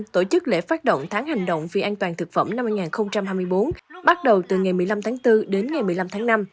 tổ chức lễ phát động tháng hành động vì an toàn thực phẩm năm hai nghìn hai mươi bốn bắt đầu từ ngày một mươi năm tháng bốn đến ngày một mươi năm tháng năm